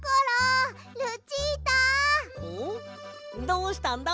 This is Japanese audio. どうしたんだ？